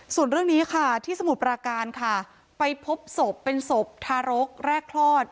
ส่วนเรื่องนี้ค่ะที่สมุทรปราการค่ะไปพบศพเป็นศพทารกแรกคลอด